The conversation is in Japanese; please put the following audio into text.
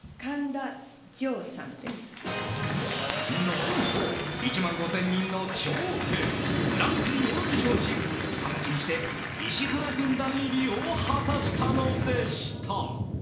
何と１万５０００人の頂点グランプリを受賞し二十歳にして石原軍団入りを果たしたのでした。